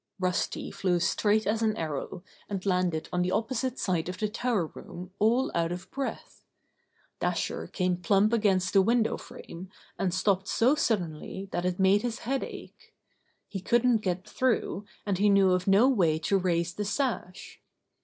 Rusty flew straight as an arrow, and landed on the opposite side of the tower room all out of breath. Dasher came plump against the window frame and stopped so suddenly that An Adventure With Dasher 15 it made his head ache. He couldn't get through, and he knew of no way to raise the sash.